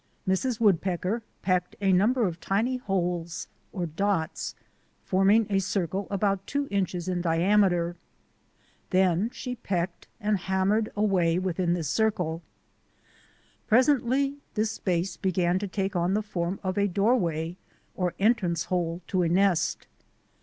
Mrs. Woodpecker pecked a number of tiny holes or dots, forming a circle about two inches in diam eter. Then she pecked and hammered away within this circle. Presently this space began to take on the form of a doorway or entrance hole to a nest.